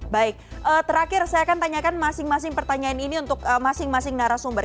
baik terakhir saya akan tanyakan masing masing pertanyaan ini untuk masing masing narasumber